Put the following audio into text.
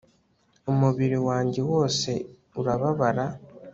umubiri wanjye wose urababara